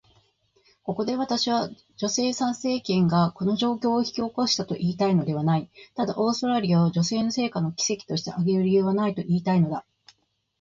ここで私は、女性参政権がこの状況を引き起こしたと言いたいのではない。ただ、オーストラリアを女性の成果の奇跡として挙げる理由はないと言いたいのだ。